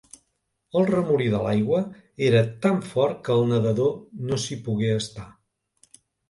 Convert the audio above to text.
El remolí de l'aigua era tan fort que el nedador no s'hi pogué estar.